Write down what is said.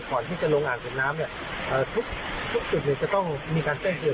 ก่อนที่จะลงอ่างเก็บน้ำเนี่ยทุกจุดจะต้องมีการแจ้งเตือน